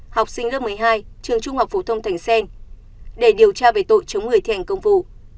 học sinh lớp một mươi hai trường trung học phổ thông thành xen để điều tra về tội chống người thi hành công vụ